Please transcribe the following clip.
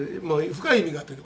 深い意味がある？